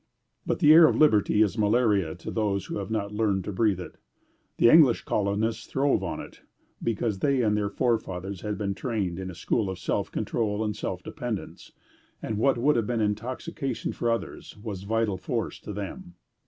But the air of liberty is malaria to those who have not learned to breathe it. The English colonists throve in it because they and their forefathers had been trained in a school of self control and self dependence; and what would have been intoxication for others, was vital force to them.